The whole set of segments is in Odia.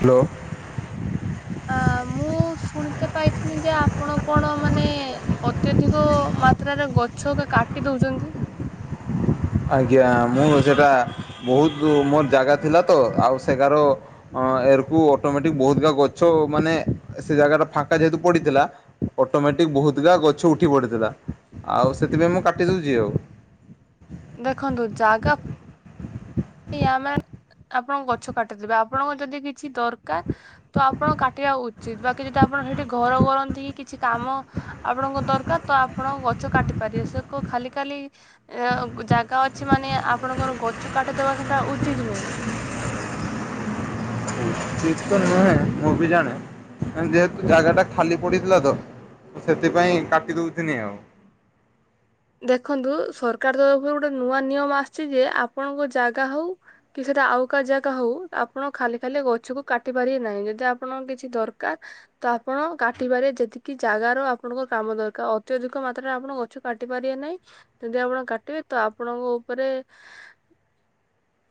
ହ୍ୟାଲୋ। ଆ ମୁଁ ଶୁଣିତେ ପାଇଥିନି ଯେ ଆପଣ କଣ ମାନେ ଅ ତ୍ୟଧିକ ମାତ୍ରାରେ ଗଛ ଗା କାଟି ଦଉଛନ୍ତି। ଆଜ୍ଞା ମୁଁ ସେଟା ବହୁତ ମୋର ଜାଗା ଥିଲା ତ ଆଉ ସେଗାର ଅ ଏରକୁ ଅଟୋମେଟିକ ବହୁତ ଗା ଗଛ ମାନେ ସେ ଜାଗା ଟା ଫାଙ୍କା ଯେହେତୁ ପଡିଥିଲା ଅଟୋମେଟିକ ବହୁତ ଗା ଗଛ ଉଠି ପଡିଥିଲା ଆଉ ସେଥିପାଇଁ ମୁଁ କାଟି ଦଉଛି ଆଉ। ଦେଖନ୍ତୁ ଜାଗା ଆମେ ଆପଣଙ୍କ ଗଛ କାଟିଦେବେ ଆପଣଙ୍କ ଯଦି କିଛି ଦରକାର ତ ଆପଣ କାଟିବା ଉଚିତ ବାକି ଯଦି ଆପଣ ସେଇଠି ଘର କରନ୍ତି କି କିଛି କାମ ଆପଣଙ୍କ ଦରକାର ତ ଆପଣ ଗଛ କାଟି ପାରିବେ ସେ ଖାଲି ଖାଲି ଏ ଜାଗା ଅଛି ମାନେ ଆପଣଙ୍କର ଗଛ କାଟିଦେବା ସେଟା ଉଚିତ ନୁହେଁ। ଉଚିତ୍ ନୁହେଁ ମୁଁ ବି ଜାଣେ ଯେହେତୁ ଜାଗା ଟା ଖାଲି ପଡିଥିଲା ତ ମୁଁ ସେଥିପାଇଁ କାଟି ଦଉଥିନି ଆଉ। ଦେଖନ୍ତୁ ସରକାର ତରଫରୁ ଗୋଟେ ନୂଆ ନିୟମ ଆସିଛି ଯେ ଆପଣଙ୍କ ଜାଗା ହଉ କି ସେଇଟା ଆଉ କାହା ଜାଗା ହଉ ଆପଣ ଖାଲି ଖାଲି ଗଛକୁ କାଟି ପାରିବେ ନାହିଁ ଯଦି ଆପଣ କିଛି ଦରକାର ତ ଆପଣ କାଟିପାରିବେ ଯେତିକି ଜାଗ ର ଆପଣଙ୍କ କାମ ଦରକାର ଅତ୍ୟଧିକ ମାତ୍ରାରେ ଆପଣ ଗଛ କାଟି କାଟି ପାରିବେ ନାହିଁ ଯଦି ଆପଣ କାଟିବେ ତ ଆପଣଙ୍କ ଉପରେ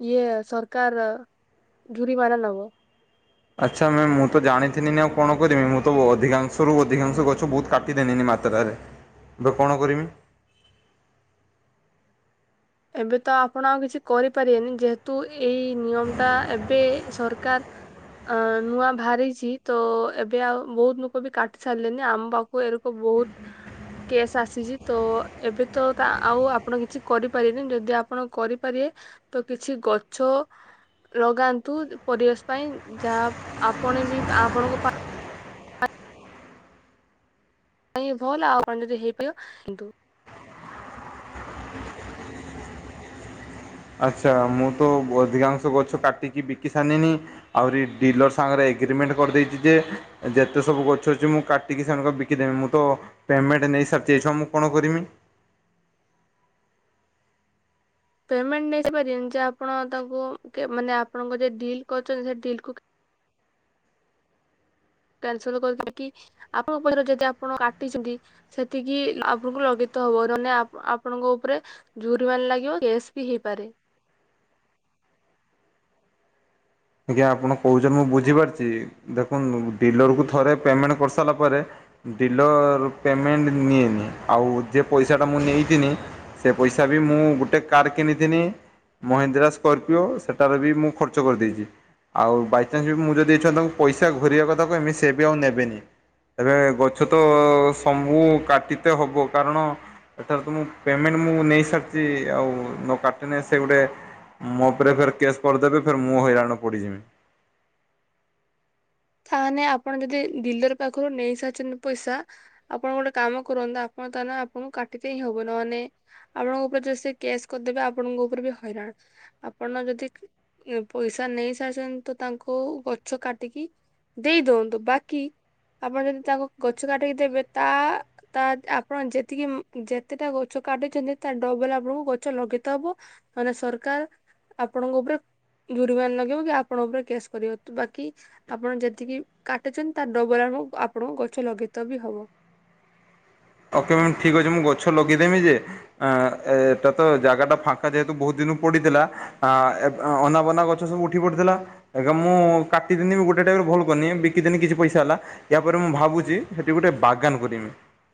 ଇଏ ସରକାର ଯୁରି ମାରା ନବ ଆଚ୍ଛା ମ୍ୟାମ୍ ମୁଁ ତ ଜାଣିଥିନି ଆଉ କଣ କରିବି ମୁଁ ତ ଅଧିକଂଶରୁ ଅଧିକାଂଶ ଗଛ ବହୁତ କାଟିଦେନିନି ମେ ସାତଟାରେ ଏବେ କଣ କରିମି? ଏବେ ତ ଆପଣ ଆଉ କିଛି କରିପାରିବେନି ଯେହେତୁ ଏଇ ନିୟମ ଟା ଏବେ ସରକାର ଅ ନୂଆ ବାହାରିଛି ତ ଏବେ ଆଉ ବହୁତ ଲୋକ ବି କାଟି ସାରିଲେନି ଆମ ପାଖକୁ ଏ ରକ ବହୁତ କେସ୍ ଆସିଛି ତ ଏବେ ତ ଆଉ ଆପଣ କିଛି କରି ାରିନି ଯଦି ଆପଣ କରିପାରିବେ ତ କିଛି ଗଛ ଲଗାନ୍ତୁ ପରିବେଶ ପାଇଁ ଯାହା ଆପଣ ବି ଆପଣଙ୍କ କାଇ ଭଲ ଆଉ କଣେ ଯଦି ହେଇପାରିବ କିନ୍ତୁ ଆଚ୍ଛା ମୁଁ ତ ଅଧିକାଂଶ ଗଛ କାଟିକି ବିକି ସାରିନିନି ଆହୁରି ଡିଲର ସାଙ୍ଗରେ ଏଗ୍ରିମେଣ୍ଟ କରିଦେଇଛି ଯେ ଯେତେ ସବୁ ଗଛ ଅଛି ମୁଁ କାଟିକି ସେମାନଙ୍କ ବିକିଦେବି ମୁଁ ତ ପେମେଣ୍ଟ ନେଇ ସ ମୁଁ କଣ କରିମି? ପେମେଣ୍ଟ ନେଇି ପାର ଯେ ଆପଣ ତାଙ୍କୁ ମାନେ ଆପଣଙ୍କ ଯ ଡିଲ୍ କରଛନ୍ତି ସେ ଡିଲ୍କୁ କ୍ୟାନସଲ କରି କି ଆପଣଙ୍କ ଉପରେ ଯଦି ଆପଣ କାଟିଛନ୍ତି ସେତିକି ଆପଣଙ୍କୁ ଲଗିତ ହବ ମାନେ ଆପଣଙ୍କ ଉପରେ ଜୋରି ମାନ ଲାଗିବ କେଶ୍ ବି ହେଇପାରେ ଆଜ୍ଞା ଆପଣ କହୁଛନ୍ତି ମୁଁ ବୁଝିପାରୁଛି ଦେଖନ୍ତୁ ଡିଲର କୁ ଥରେ ପେମେଣ୍ଟ କରିସାରିଲା ପରେ ଡିଲର ପେମେଣ୍ଟ ନିଏନି ଆଉ ଯ ପଇସାଟା ମୁଁ ନେଇିନି ସେ ପଇସା ବି ମୁଁ ଗୋଟେ କାର୍ କିଣିଥିନି ମହିନ୍ଦ୍ରା ସ୍କର୍ପିଓ ସେଠାରେ ବି ମୁଁ ଖର୍ଚ୍ଚ କରିଦେଇଛି। ଆଉ ବାଇଚାନ୍ସ ବି ମୁଁ ଯଦି ଛନ୍ତି ତାଙ୍କୁ ପଇସା ଘୁରରିବା କଥା କହମିତି ସେ ବି ଆଉ ନେବେନି ଏବେ ଗଛ ତ ସବୁ କାଟିିତେ ହବ କାରଣ ଏଠାରେ ତ ପେମେଣ୍ ମୁଁ ନେଇାରିଛି ଆଉ ଗୋଟେ ମୋ ଉପରେ ଫର କେସ୍ କରିଦେବେ ଫର ମୁଁ ହଇରାଣ ପଡିଯିବି ତାହେଲେ ଆପଣ ଯଦି ଡିଲର ପାଖରୁ ନେଇ ସାରିଛନ୍ତି ପଇସା ଆପଣ ଗୋଟେ କାମ କରନ୍ତୁ ଆପଣ ତା ଆପଣଙ୍କୁ କାଟଦେ ହିଁ ହବ ନହେଲେ ଆପଣଙ୍କ ଉପରେ ଯଦି କେସ୍ କରିଦେବେ ଆପଣଙ୍କ ଉପରେ ବି ହଇରାଣ ଆପଣ ଯଦି ପଇସା ନେଇ ସାରଛନ୍ତି ତ ତାଙ୍କୁ ଗଛ କାଟିକି ଦେଇ ଦିଅନ୍ତୁ ବାକି ଆପଣ ଯଦି ତାଙ୍କ ଗଛ କାଟିକି ଦେବେ ତା ତା ଆପଣ ଯେତିକି ଯେତେଟା ଗଛ କାଟୁଛନ୍ତି ତା ଡବଲ ଆପଣଙ୍କୁ ଗଛ ଲଗେଇତ ହବ ମାନେ ସରକାର ଆପଣଙ୍କ ଉପରେ ଦୁରିବାନ ଲଗେଇିବ କି ଆପଣଙ୍କ ଉପରେ କେସ୍ କରିବ ବାକି ଆପଣ ଯଦି ଯେତିକି କାଟୁଚଛନ୍ତି ତ ଡବଲ ଆ ଆପଣଙ୍କ ଗଛ ଲଗେଇ ବି ହବ ଓକେ ମ୍ୟାମ୍ ଠିକ ଅଛି ମୁଁ ଗଛ ଲଗେଇଦେମି ଯେ ଆ ଏଟ ତ ଜାଗା ଟା ଫାଙ୍କା ଯେହେତୁ ବହୁତ ଦିନ ପଡିଥିଲା। ଆ ଅନାବନା ଗଛ ସବୁ ଉଠି ପଡିଥିଲା। ଆଜ୍ଞ ମୁଁ କାଟିଦିନି ବି ଗୋଟେ ଟାଇପରେ ଭଲ କରିନି ବିକିଦିନି କିଛି ପଇସା ହେଲା। ୟା ପରେରେ ମୁଁ ଭାବୁଛି ସେଠି ଗୋଟେ ବାଗାନ କରମି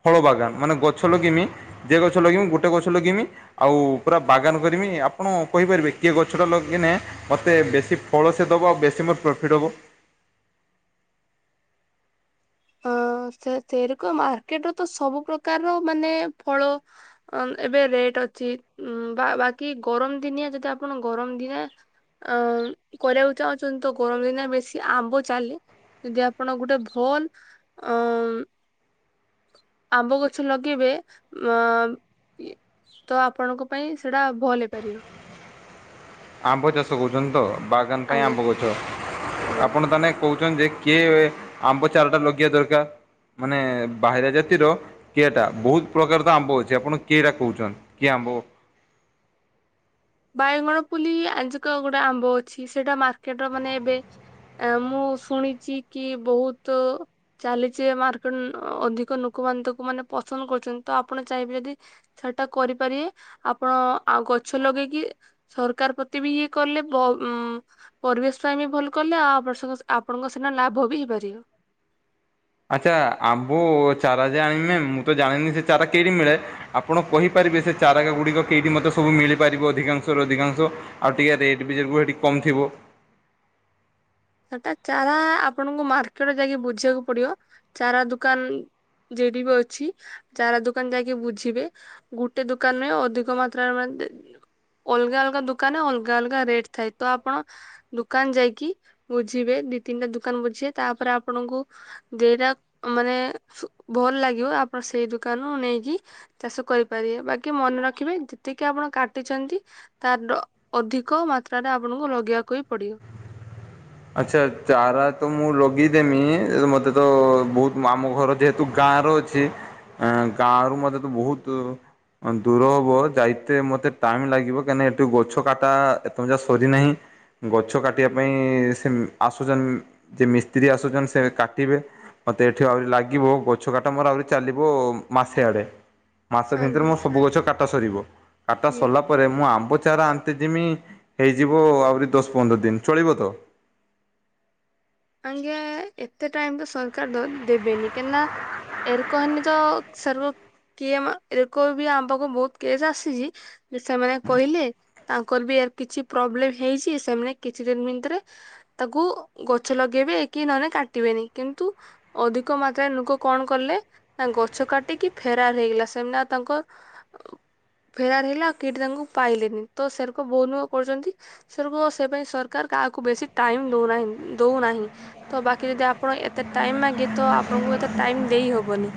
ଫଳ ବାଗାନ ମାନେ ଗଛ ଲଗେଇମି। ଯେ ଗଛ ଲଗେଇମି ଗୋଟେ ଗଛ ଲଗେଇମି। ଆଉ ପୁରା ବାଗାନ କରିମି ଆପଣ କହିପାରିବେ କିଏ ଗଛ ଟା ଲଗେଇନେ ମୋତେ ବେଶୀ ଫଳ ସେ ଦବ ଆଉ ବେଶୀ ମୋର ପ୍ରଫିଟ୍ ହବ ହଁ ସେ ସେରିକ ମାର୍କେଟର ତ ସବୁ ପ୍ରକାରର ମାନେ ଫଳ ଅ ଏବେ ରେଟ୍ ଅଛି ବା ବାକି ଗରମ ଦିନିଆ ଯଦି ଆପଣ ଗରମ ଦିନଆ ଅ କରିବାକୁ ଚାହୁଁଛନ୍ତି ତ ଗରମ ଦିନ ବେଶୀ ଆମ୍ବ ଚାଲେ ଯଦି ଆପଣ ଗୋଟେ ଭଲ ଅ ଆମ୍ବ ଗଛ ଲଗେଇବେ ଅ ତ ଆପଣଙ୍କ ପାଇଁ ସେଇଟା ଭଲ ହେଇପାରିବ। ଆମ୍ବ ଚାଷ କରୁଛନ୍ତି ତ ବାଗାନ ପାଇଁ ଆଜ୍ଞା ଆମ୍ବ ଗଛ ଆଜ୍ଞା। ଆପଣ ତାହାନେ କହୁଛନ୍ତି କିଏ ଆମ୍ବ ଚାରା ଟା ଲଗେଇବା ଦରକାର ମାନେ ବାହାରା ଜାତିର। କିଏଟା ବହୁତ ପ୍ରକାର ତ ଆମ୍ବ ଅଛି ଆପଣ କିଏଟା କହୁଛନ୍ତି କିଏ ଆମ୍ବ। ବାଇଗଣ ପଲି ଆଜିକ ଗୋଟେ ଆମ୍ବ ଅଛି ସେଇଟା ମାର୍କେଟ ର ମାନେ ଏବେ ଆ ମୁଁ ଶୁଣିଛି କି ବହୁତ ଚାଲିଛି ମାର୍କେଟ ଅଧିକ ଲୋକମାନେ ତାକୁ ମାନେ ପସନ୍ଦ କରୁଛନ୍ତି ତ ଆପଣ ଚାହିଁବେ ଯଦି ସେଟା କରିପାରିବେ ଆପଣ ଆଉ ଗଛ ଲଗେଇକି କି ସରକାର ପ୍ରତି ବି ଇଏ କଲେ ବ ପରିବେଶ ପାଇଁ ବି ଭଲ କଲେ ଆଉ ଆପଣ ଆପଣଙ୍କ ସିନା ଲାଭ ବି ହେଇପାରିବ। ଆଚ୍ଛା ଆମ୍ବୁ ଚାରା ଯେ ଆଣିମେ ମୁଁ ତ ଜାଣିନି ଯେ ଚାରା କେଠି ମିଳେ। ଆପଣ କହିପାରିବେ ସେ ଚାରାଗ ଗୁଡ଼ିକ କେହିଠି ମୋତେ ସବୁ ମିଳିପାରିବ ଅଧିକାଂଶରୁ ଅଧିକାଂଶ। ଆଉ ଟିଏ ରେଟ୍ [unintelligible] କମ୍ ଥିବୁ। ସେଟା ଚାରା ଆପଣଙ୍କୁ ମାର୍କେଟ ଯାଇକି ବୁଝିବାକୁ ପଡିବ ଚାରା ଦୁକାନ ଜେଡିବ ଅଛି। ଚାରା ଦୋକାନ ଯାଇକି ବୁଝିବେ ଗୁଟେ ଦୋକାନ ନୁହେଁ ଅଧିକ ମାତ୍ରାରେ ମାନେ ଦେ ଅଲଗା ଅଲଗା ଦୁକାନରେ ଅଲଗା ଅଲଗା ରେଟ୍ ଥାଏ ତ ଆପଣ ଦୁକାନ ଯାଇକି ବୁଝିବେ ଦି ତିନିଟା ଦୁକାନ ବୁଝିବେ ତାପରେ ଆପଣଙ୍କୁ ଦେଇଟା ମାନେ ଭଲ ଲାଗିବ ଆପଣ ସେଇ ଦୁକାନରୁ ନେଇକି ଚାଷ କରିପାରିବେ ବାକି ମନ ରଖିବେ ଯେତିକି ଆପଣ କାଟିଚନ୍ତି ତାର ଡ ଅଧିକ ମାତ୍ରାରେ ଆପଣଙ୍କୁ ଲଗେଇବାକୁ ହିଁ ପଡିବ। ଆଛା ଚାରା ତ ମୁଁ ଲଗେଇଦେମି ମତେ ତ ବହୁତ ଆମ ଘର ଯେହତୁ। ତୁ ଗାଁ ର ଅଛି ଆ ଗାଁ ରୁ ମତେ ତ ବହୁତ ଦୂର ଦୂର ହବ ଯାଇତେ ମତେ ଟାଇମ୍ ଲାଗିବ କାହିଁକି ଏଠି ଗଛ କାଟା ଏପର୍ଯ୍ୟନ୍ତ ସରିନାହିଁ। ଗଛ କାଟିବା ପାଇଁ ସେ ଆସୁଛନ୍ ଯିଏ ମିସ୍ତ୍ରୀ ଆସୁଛନ୍ ସେ କାଟିବେ। ମତେ ଏଠି ଆହୁରି ଲାଗିବ ଗଛ କାଟା ମୋର ଆହୁରି ଚାଲିବ ମାସେ ଆଡେ। ମାସ ଭିତରେ ଆଜ୍ଞା ମୋର ସବୁ ଗଛ କାଟା ସରିବ କାଟା ଆଜ୍ଞା ସରିଲା ପ ପରେ ମୁଁ ଆମ୍ବ ଚାରା ଅନିତେ ଜିମି ହେଇଯିବ ଆହୁରି ଦଶ ପନ୍ଦର ଦିନ ଚଳିବ ତ? ଆଜ୍ଞା ଏତେ ଟାଇମ୍ ତ ସରକାର ଦେବେନି କାଇଁନା ଏରକୋ ହେନି ତ ସର କିଏ ଏରକୋ ବି ଆମ ପାଖକୁ ବହୁତ କିଏ ଆସିଛି। ସେମାନେ କହିଲେ ତାଙ୍କର ବି କିଛି ପ୍ରୋବ୍ଲେମ ହେଇଛି ସେମାନେ କିଛି ଦିନ ଭିତରେ ତାକୁ ଗଛ ଲଗେଇବେ କି ନହେଲେ କାଟିବେନି କିନ୍ତୁ। ଅଧିକ ମାତ୍ରାରେ ଲୋକ କଣ କଲେ। ନା ଗଛ କାଟିକି ଫେରାର ହେଇଗଲା ସେମିତି ତାଙ୍କ। ଫେରାର ହେଇଲା ଆଉ କେଠି ତାଙ୍କୁ ପାଇଲେନି ତ ସେରୋକ ବହୁତ ନୁକ କରୁଛନ୍ତି। ସେରକମ୍ ସେ ପାଇଁ ସରକାର କାହାକୁ ବେଶୀ ଟାଇମ୍ ଦେଉନାହାଁନ୍ତି। ଦଉନାହିଁ ତ ବାକି ଯଦି ଆପଣ ଏତେ ଟାଇମ୍ ମାଗେ ତ ଆପଣଙ୍କୁ ଏତେ ଟାଇମ୍ ଦେଇ ହବନି।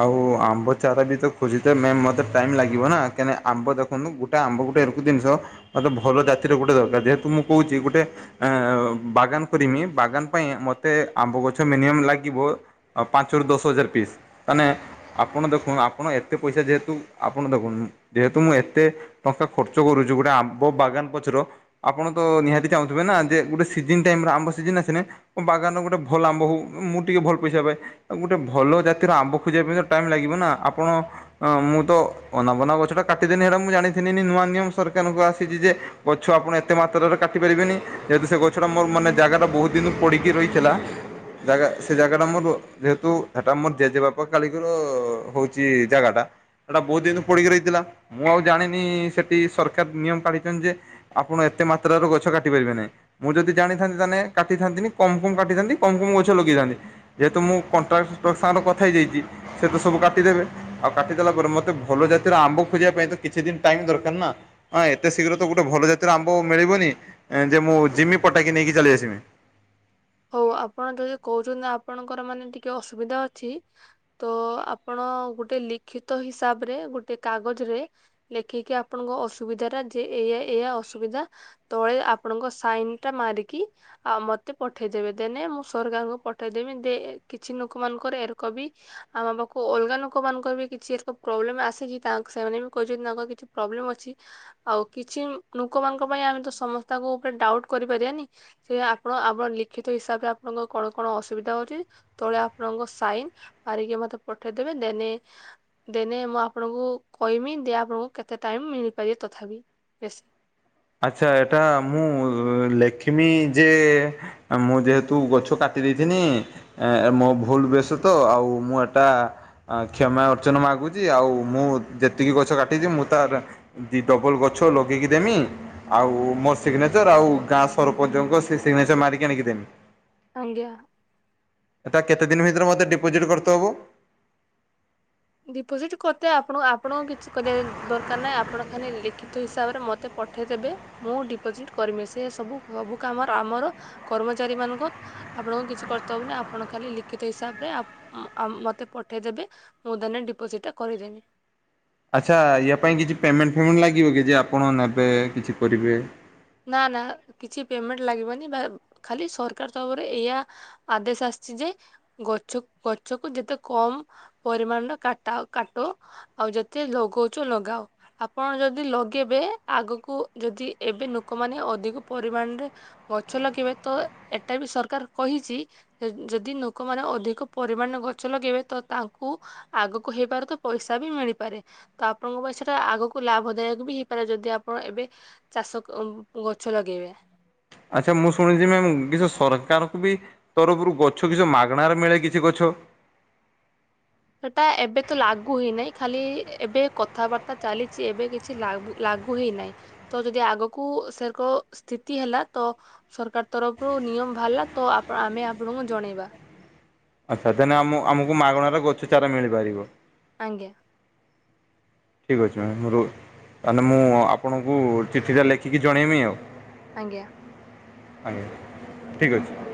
ଆଉ ଆମ୍ବ ଚାରା ବି ତ ଖୋଜିତେ ମେ ମତେ ଟାଇମ୍ ଲାଗିବ ନା କାହିଁକ ଆମ୍ବ ଦେଖ ଦେଖନ୍ତୁ ଗୋଟେ ଆମ୍ବ ଗୋଟେ ଏକ ଜିନଷ ମତେ ଭଲ ଜାତିରେ ଗୋଟେ ଦରକାର ଯେହେତୁ ମୁଁ କହୁଛି ଗୋଟେ ଅ ବାଗାନ କରିମି ବାଗାନ ପାଇଁ ମତେ ଆମ୍ବ ଗଛ ମିନିମମ ଲାଗିବ। ଆ ପାଞ୍ଚରୁ ଦଶ ହଜାର ପିସ୍। ତହେନେ ଆପଣ ଦେଖନ୍ତ ଆପଣ ଏତେ ପଇସା ଯେହେତୁ ଆପଣ ଦେଖନ୍ତ ଯେହେତୁ ମୁଁ ଏତେ ଟଙ୍କା ଖର୍ଚ୍ଚ କରୁଚୁ ଗୋଟେ ଆମ୍ବ ବାଗାନ ପଛର। ଆପଣ ତ ନିହାତି ଚାହୁଁଥିବେ ନା ଯେ ଗୋଟେ ସିଜିନ୍ ଟାଇମ ଆମ୍ବ ସିଜିନ୍ ଆସିନେ ବାଗାନର ଗୋଟେ ଭଲ ଆମ୍ବ ହଉ ମୁଁ ଟିକେ ଭଲ ପଇସା ପାଏ ଆଉ ଗୋଟେ ଭଲ ଜାତିର ଆମ୍ବ ଖୋଜିବା ପାଇଁ ତ ଟାଇମ୍ ଲାଗିବ ନା ଆପଣ ଅଁ ମୁଁ ତ ଅନାବନା ଗଛ ଟା କାଟିଦେନି ସେଟା ମୁଁ ଜାଣିିଥିନି ନେ ନୂଆ ନିୟମ ସରକାରଙ୍କ ଆସିଛି ଯେ ଗଛ ଆପଣ ଏତେ ମାତ୍ରାରେ କାଟି ପାରିବେନି ଯେହେତୁ ସେ ଗଛଟା ମୋର ମାନେ ଜାଗାରେ ବହୁତ ଦିନ ପଡ଼ିକି ରହିଥିଲା। ଜାଗା ସେ ଜାଗାଟା ମର ଯେହେତୁ ହେଟ ମୋର ଜେଜେବାପା ପକାଳିକର ହଉଛି ଜାଗା ଟା। ସେଟା ବହୁତ ଦିନ ପଡିକି ରହିଥିଲା ମୁଁ ଆଉ ଜାଣିନି ସେଠି ସରକାର ନିୟମ କାଢୀଛନ୍ତି ଯେ ଆପଣ ଏତେ ମାତ୍ରା ର ଗଛ କାଟି ପାରିବେ ନାହିଁ। ମୁଁ ଯଦି ଜାଣିଥାନ୍ତି ତାନେ କାଟିଥାନ୍ତିନି କମ୍ କମ୍ କାଟିଥାନ୍ତି କମ୍ କମ୍ ଗଛ ଲଗେଇଥାନ୍ତି। ଯେହେତୁ ମୁଁ କଣ୍ଟ୍ରାକ୍ଟର ସାଙ୍ଗରେ କଥା ହେଇଯାଇଛି ସେ ତ ସବୁ କାଟିଦେବେ। ଆଉ କାଟିଦେଲା ପରେ ମତେ ଭଲ ଜାତିର ଆମ୍ବ ଖୋଜିବା ପାଇଁ ତ କିଛି ଦିନ୍ ଟାଇମ୍ ଦରକାର ନା। ହଁ ଏତେ ଶୀଘ୍ର ତ ଗୋଟେ ଭଲ ଜାତିର ଆମ୍ବ ମିଳିବନି ଯେ ମୁଁ ଜିମି ପଟାକି ନେଇକି ଚାଲି ଆସିବି। ହଉ ଆପଣ ଯଦି କହୁଛନ୍ତି ଆପଣଙ୍କର ମାନେ ଟିକେ ଅସୁବିଧା ଅଛି। ତ ଆପଣ ଗୋଟେ ଲିଖିତ ହିସାବରେ ଗୋଟେ କାଗଜ ରେ ଲେଖିକି ଆପଣଙ୍କ ଅସୁବିଧା ଟା ଯେ ଏୟା ଏୟା ଅସୁବିଧା। ତଳେ ଆପଣଙ୍କ ସାଇନ ଟା ମାରିକି ଆ ମତେ ପଠେଇଦେବେ ଦେନ୍ ମୁଁ ସରକାରଙ୍କୁ ପଠେଇଦେବି ଦେ କିଛି ଲୋକ ମାନଙ୍କର ଏରକ ବି ଆମ ପାଖକୁ ଅଲଗା ଲୋକମାନଙ୍କର ବି କିଛିର ପ୍ରୋବ୍ଲେମ୍ ଆସିଛି ତା ସେମାନେ ବି କହିଛନ୍ତି ତାଙ୍କର କିଛି ପ୍ରୋବ୍ଲେମ୍ ଅଛି। ଆଉ କିଛି ଲୋକମାନଙ୍କ ପାଇଁ ଆମେ ତ ସମସ୍ତଙ୍କ ଉପରେ ଡାଉଟ୍ କରିପାରିବାନି ସେ ଆପଣ ଆପଣ ଲିଖିତ ହିସାବରେ ଆପଣଙ୍କ କଣ କଣ ଅସୁବିଧା ହଉଛି। ତଳେ ଆପଣଙ୍କ ସାଇନ ମାରିକି ମତେ ପଠେଇଦେବେ ଦେନ୍ ଦେନ୍ ମୁଁ ଆପଣଙ୍କୁ କହିମି ଦେ ଆପଣଙ୍କୁ କେତେ ଟାଇମ୍ ମିଳିପାରିବ ତଥାପି ବେଶୀ। ଆଚ୍ଛା ଏଟା ମୁଁ ଲେଖିମି ଯେ ମୁଁ ଯେହେତୁ ଗଛ କାଟି ଦେଇଥିନି। ଏ ମୋ ଭୁଲ ବଶ ତ ଆଉ ମୁଁ ଏଟା ଆ କ୍ଷମା ଅର୍ଚ୍ଚନ ମାଗୁଛି ଆଉ ମୁଁ ଯେତିକି ଗଛ କାଟିଛି ମୁଁ ତାର ଦି ଡବଲ୍ ଗଛ ଲଗେଇକି ଦେମି ଆଉ ମୋର ସିଗ୍ନେଚର ଆଉ ଗାଁ ସରପଞ୍ଚଙ୍କ ସେ ସିଗ୍ନେଚର ମାରିକି ଆଣିକି ଦେମି। ଆଜ୍ଞା। ଏଟା କେତେ ଦିନ ଭିତରେ ମତେ ଡିପୋଜିଟ୍ କରିତେ ହବ? ଡିପୋଜିଟ୍ କରିତେ ଆପଣ ଆପଣଙ୍କୁ କିଛି କରିବା ଦରକାର ନାହିଁ ଆପଣ ଖାଲି ଲିଖିତ ହିସାବରେ ମତେ ମତେ ପଠେଇ ଦେବେ ମୁଁ ଡିପୋଜିଟ୍ କରିବି ସେ ସବୁ ସବୁ କାମର ଆମର କର୍ମଚାରୀ ମାନଙ୍କର ଆପଣଙ୍କୁ କିଛି କର୍ତ୍ତବ୍ଯ ନା ଆପଣ ଖାଲି ଲିଖିତ ହିସାବରେ ଆ ମତେ ପଠେଇଦେବେ। ମୁଁ ଦେନ୍ ଡିପୋଜିଟ୍ କରିଦେନି। ଆଚ୍ଛା ୟା ପାଇଁ କିଛି ପେମେଣ୍ଟ ଫେମେଣ୍ଟ ଲାଗିବ କି ଯେ ଆପଣ ନେବେ କିଛି କରିବେ। ନା ନା କିଛି ପେମେଣ୍ଟ ଲାଗିବନି ବା ଖାଲି ସରକାର ତରଫରେ ଏୟା ଆଦେଶ ଆସିଛି ଯେ ଗଛ ଗଛ କୁ ଯେତେ କମ ପରିମାଣରେ କାଟା କାଟ ଆଉ ଯେତେ ଲଗଉଚ ଲଗାଅ। ଆପଣ ଯଦି ଲଗେଇବେ ଆଗକୁ ଯଦି ଏବେ ଲୋକମାନେ ଅଧିକ ପରିମାଣରେ ଗଛ ଲଗେଇବେ ତ ଏଟା ବି ସରକାର କହିଛି। ଯଦି ଲୋକମାନେ ଅଧିକ ପରିମାଣରେ ଗଛ ଲଗେଇବେ ତ ତାଙ୍କୁ ଆଗକୁ ହେଇପାରେ ତ ପଇସା ବି ମିଳିପାରେ। ତ ଆପଣଙ୍କ ପଇସାଟା ଆଗକୁ ଲାଭ ଦାୟକ ବି ହେଇପାରେ ଯଦି ଆପଣ ଏବେ ଚାଷ ଗଛ ଲଗେଇବା। ଆଚ୍ଛା ମୁଁ ଶୁଣିଛି ମ କିଛି ସରକାରକୁ ବି ତରଫରୁ ଗଛ କିଛ ମାଗଣାରେ ମିଳେ କିଛି ଗଛ ସେଟା ଏବେ ତ ଲାଗୁ ହେଇନାହିଁ ଖାଲି ଏବେ କଥାବାର୍ତ୍ତା ଚାଲିଛି ଏବେ କିଛି ଲାଗୁ ଲାଗୁ ହେଇନାହିଁ ତ ଯଦି ଆଗକୁ ସେରକ ସ୍ଥିତି ହେଲା ତ ସରକାର ତରଫରୁ ନିୟମ ଭହାରିଲା ତ ଆମେ ଆପଣଙ୍କୁ ଜଣେଇବା। ଆଚ୍ଛା ତନେ ଆମ ଆମକୁ ମାଗଣାର ଗଛ ଚାରା ମିଳିପାରିବ। ଆଜ୍ଞା। ଠିକ୍ ଅଛି ମ ତାହେଲେ ମୁଁ ଆପଣଙ୍କୁ ଚିଠିଟା ଲେଖିକି ଜଣେଇବି ଆଉ ଆଜ୍ଞା। ଆଜ୍ଞା ଠିକ ଅଛି।